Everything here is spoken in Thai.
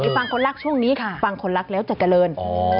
ฟังคนรักช่วงนี้ค่ะฟังคนรักแล้วจะเจริญ